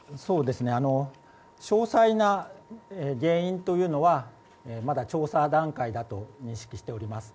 詳細な原因というのはまだ調査段階と認識しています。